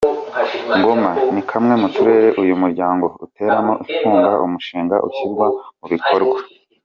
Ngoma ni kamwe mu turere uyu muryango uteramo inkunga umushinga ushyirwa mu bikorwa.